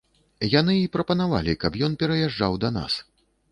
Яны і прапанавалі, каб ён пераязджаў да нас.